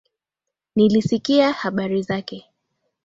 Nilisikia habari zake.